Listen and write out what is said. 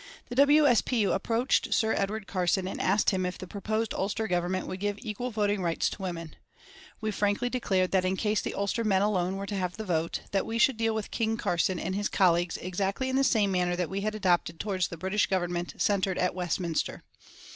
The W. S. P. U. approached Sir Edward Carson and asked him if the proposed Ulster Government would give equal voting rights to women. We frankly declared that in case the Ulster men alone were to have the vote, that we should deal with "King Carson" and his colleagues exactly in the same manner that we had adopted towards the British Government centred at Westminster.